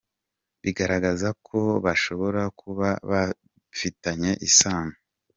Bigaragaza ko bashobora kuba bafitanye isano”.